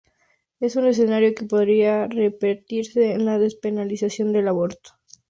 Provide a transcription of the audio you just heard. Un escenario que podría repetirse con la despenalización del aborto.